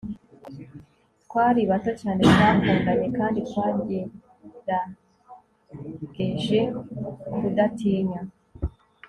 twari bato cyane, twakundanye, kandi twagerageje kudatinya